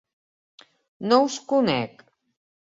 -No us conec.